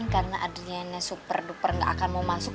karena adriana super duper enggak akan mau masuk